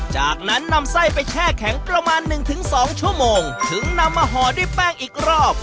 จากนั้นนำไส้ไปแช่แข็งประมาณ๑๒ชั่วโมงถึงนำมาห่อด้วยแป้งอีกรอบ